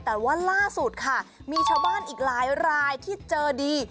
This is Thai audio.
แต่ว่าล่าสุดค่ะมีชาวบ้านอีกหลายรายที่เจอดี